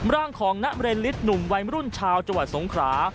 ร่างของนะเรนฤทธิ์หนุ่มวัยรุ่นชาวจวัดสงครา